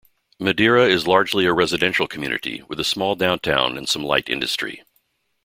Madeira is largely a residential community, with a small downtown and some light industry.